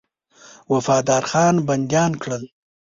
وفادارخان بنديان کړل.